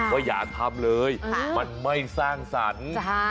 ว่าอย่าทำเลยมันไม่สร้างสรรค์